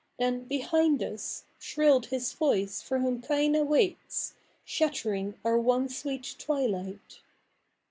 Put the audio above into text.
Then, behind us Shrilled his voice for whom Cdina waits, 'Shattering our one sweet tivilight.